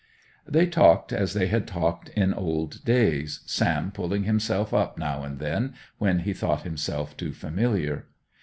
They talked as they had talked in old days, Sam pulling himself up now and then, when he thought himself too familiar.